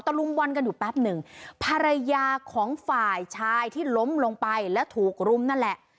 ลุมบอลกันอยู่แป๊บหนึ่งภรรยาของฝ่ายชายที่ล้มลงไปแล้วถูกรุมนั่นแหละ